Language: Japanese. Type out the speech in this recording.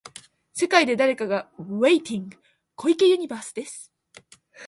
世界で誰かがウェイティング、小池ユニバースです。